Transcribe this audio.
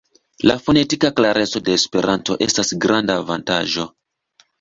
La fonetika klareco de Esperanto estas granda avantaĝo.